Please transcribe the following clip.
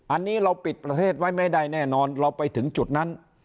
อันนี้เราปิดประเทศไว้ไม่ได้แน่นอนเราไปถึงจุดนั้น